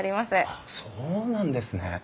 あっそうなんですね。